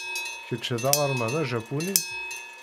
Kečč d aɣerman ajapuni?